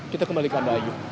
kita kembalikan bayu